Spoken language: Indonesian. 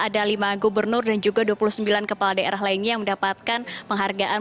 ada lima gubernur dan juga dua puluh sembilan kepala daerah lainnya yang mendapatkan penghargaan